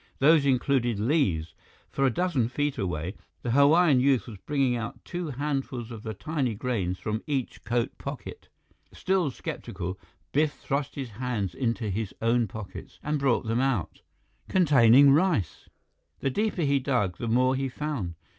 Those included Li's, for a dozen feet away, the Hawaiian youth was bringing out two handfuls of the tiny grains from each coat pocket. Still skeptical, Biff thrust his hands into his own pockets and brought them out containing rice! The deeper he dug, the more he found.